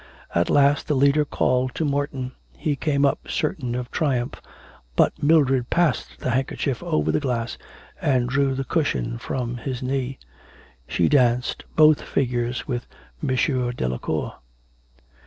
At last the leader called to Morton, he came up certain of triumph, but Mildred passed the handkerchief over the glass and drew the cushion from his knee. She danced both figures with M. Delacour.